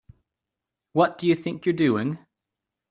What do you think you're doing?